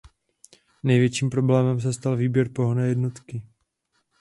Největším problémem se stal výběr pohonné jednotky.